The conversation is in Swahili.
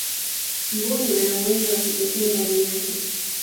mbuni ana uwezo wa kipekee ndani yake